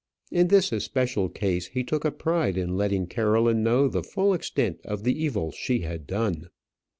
In this especial case he took a pride in letting Caroline know the full extent of the evil she had done.